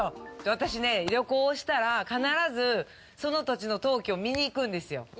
私ね、旅行したら必ずその土地の陶器を見に行くんですよ。